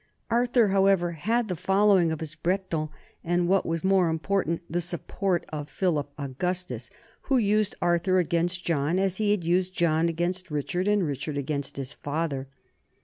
Arthur, however, had the follow ing of his Bretons and, what was more important, the support of Philip Augustus, who used Arthur against John as he had used John against Richard and Richard against his father.